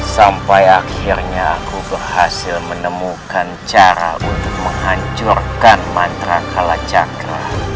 sampai akhirnya aku berhasil menemukan cara untuk menghancurkan mantra kalacakra